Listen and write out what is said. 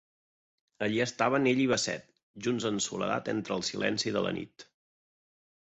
Allí estaven ell i Basset, junts en soledat entre el silenci de la nit.